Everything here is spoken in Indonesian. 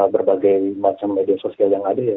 berbagai macam media sosial yang ada ya